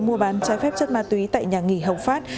mua bán trái phép chất ma túy tại nhà nghỉ hồng phát